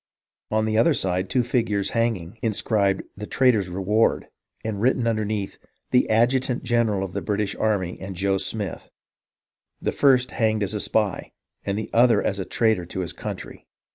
On another side, two figures hanging, inscribed, ' The Traitor's Reward,' and written underneath, * The Adjutant general of the British Army, and Joe Smith ; the first hanged as a spy, and the other as a traitor to his country.'